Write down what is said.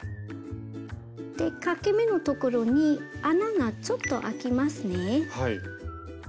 でかけ目のところに穴がちょっとあきますね。